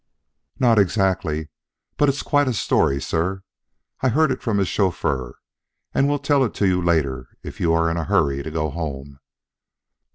"Not exactly, but it's quite a story, sir. I had it from his chauffeur and will tell it to you later if you are in a hurry to go home."